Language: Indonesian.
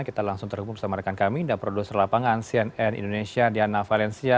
kita langsung terhubung bersama rekan kami dan produser lapangan cnn indonesia diana valencia